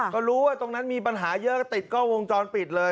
ก็รู้ว่าตรงนั้นมีปัญหาเยอะก็ติดกล้องวงจรปิดเลย